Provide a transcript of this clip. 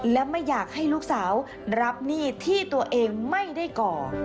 และไม่อยากให้ลูกสาวรับหนี้ที่ตัวเองไม่ได้ก่อ